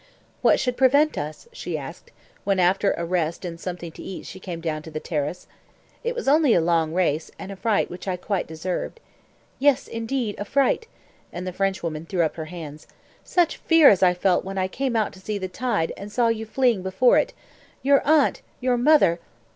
"What should prevent us?" she asked, when after a rest and something to eat she came down to the terrace. "It was only a long race, and a fright which I quite deserved." "Yes, indeed, a fright!" and the Frenchwoman threw up her hands. "Such fear as I felt when I came out to see the tide and saw you fleeing before it. Your aunt! Your mother!